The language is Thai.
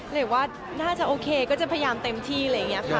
หรือว่าน่าจะโอเคก็จะพยายามเต็มที่อะไรอย่างนี้ค่ะ